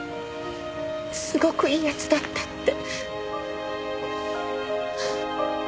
すごくいい奴だったって。